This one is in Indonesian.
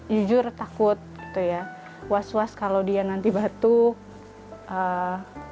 jujur takut gitu ya was was kalau dia nanti batuk